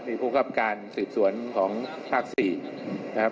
มีผู้คับการสืบสวนของภาค๔นะครับ